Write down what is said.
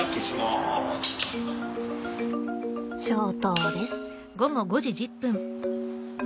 消灯です。